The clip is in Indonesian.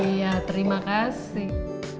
iya terima kasih